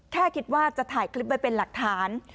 แค่คิดว่าจะถ่ายคลิปไว้เป็นหลักฐาน